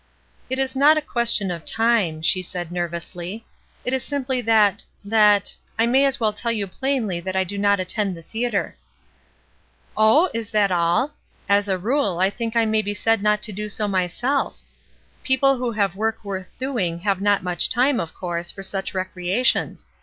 "It is not a question of time," she said ner vously. "It is simply that — that — I may as well tell you plainly that I do not attend the theatre." "Oh, is that all? As a rule I think I may be said not to do so myself. People who have work worth doing have not much time, of course, for such recreations.